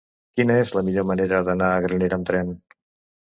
Quina és la millor manera d'anar a Granera amb tren?